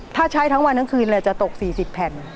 ถ้าใช้ทั้งวันทั้งคืนเลยจะตก๔๐แผ่น